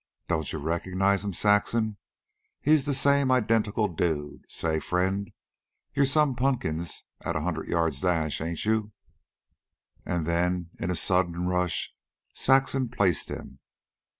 Don't you recognize 'm, Saxon? He's the same identical dude say, friend, you're some punkins at a hundred yards dash, ain't you?" And then, in a sudden rush, Saxon placed him.